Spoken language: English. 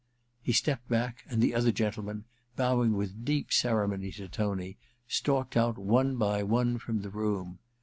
* He stepped back, and the other gentlemen, bowing with deep ceremony to Tony, stalked out one by one from the room.